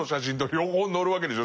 両方載るわけでしょ